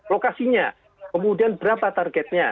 lokasinya kemudian berapa targetnya